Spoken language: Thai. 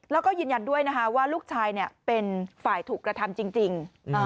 แล้วก็ยืนยันด้วยนะคะว่าลูกชายเป็นฝ่ายถูกกระทำจริง